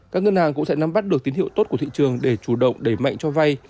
các ngân hàng cũng sẽ nắm bắt được tín hiệu tốt của thị trường để chủ động đẩy mạnh cho vay